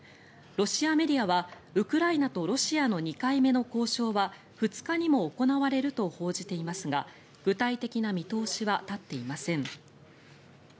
ロシアメディアはウクライナとロシアの２回目の交渉は２日にも行われると報じていますが具体的な見通しは立っていません。